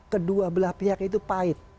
kedua belah pihak itu pahit